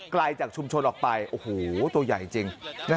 ไกลจากชุมชนออกไปโอ้โหตัวใหญ่จริง